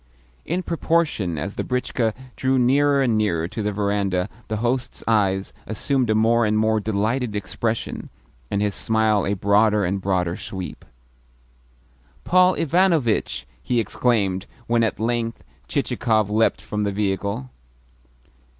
In proportion as the britchka drew nearer and nearer to the verandah, the host's eyes assumed a more and more delighted expression, and his smile a broader and broader sweep. "Paul Ivanovitch!" he exclaimed when at length Chichikov leapt from the vehicle.